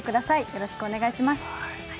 よろしくお願いします。